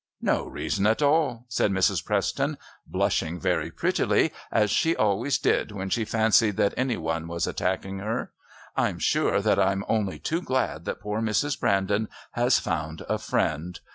"No reason at all," said Mrs. Preston, blushing very prettily, as she always did when she fancied that any one was attacking her. "I'm sure that I'm only too glad that poor Mrs. Brandon has found a friend.